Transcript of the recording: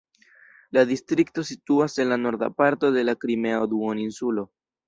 La distrikto situas en la norda parto de la Krimea duoninsulo.